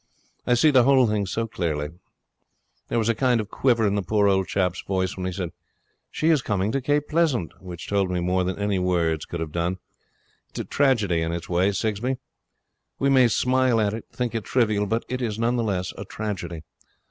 I see the whole thing so clearly. There was a kind of quiver in the poor old chap's voice when he said: "She is coming to Cape Pleasant," which told me more than any words could have done. It is a tragedy in its way, Sigsbee. We may smile at it, think it trivial; but it is none the less a tragedy.